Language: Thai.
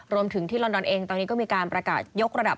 รวมถึงที่ลอนดอนเองตอนนี้ก็มีการประกาศยกระดับ